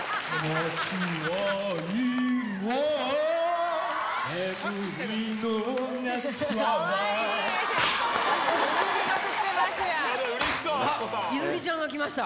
町は今ー、泉ちゃんが来ました。